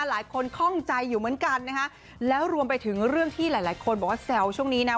ข้องใจอยู่เหมือนกันนะฮะแล้วรวมไปถึงเรื่องที่หลายหลายคนบอกว่าแซวช่วงนี้นะ